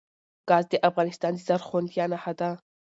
ګاز د افغانستان د زرغونتیا نښه ده.